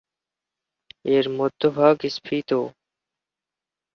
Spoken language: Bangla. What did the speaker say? এর মধ্যভাগ স্ফীত।